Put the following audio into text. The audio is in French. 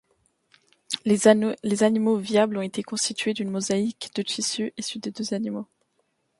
Les animaux viables était constitués d'une mosaïque de tissus issus des deux animaux.